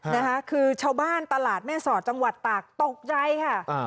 นะคะคือชาวบ้านตลาดแม่สอดจังหวัดตากตกใจค่ะอ่า